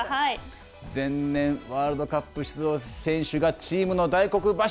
前年ワールドカップ出場選手がチームの大黒柱。